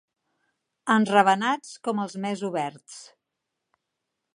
Enravenats com els més oberts.